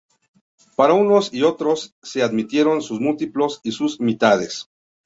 Para unos y otros se admitieron sus múltiplos y sus mitades.